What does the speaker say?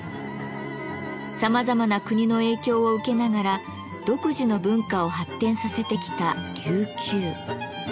さまざまな国の影響を受けながら独自の文化を発展させてきた琉球。